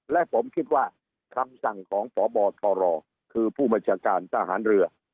และผมคิดว่าคำสั่งของพบทรคือผู้บัญชาการทหารเรือ